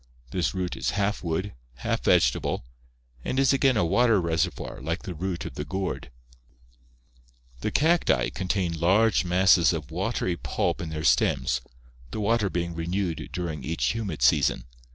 This root is half wood, half vegetable, and is again a water reservoir like the root of the gourd." The cacti (see PL V) contain large masses of watery pulp in their stems, the water being renewed during each humid season.